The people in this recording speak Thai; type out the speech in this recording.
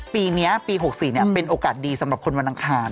ปีนี้ปี๖๔เป็นโอกาสดีสำหรับคนวันอังคาร